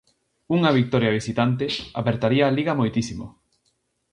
Unha vitoria visitante apertaría a liga moitísimo.